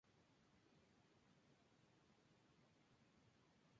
La presentación de informes es obligatoria.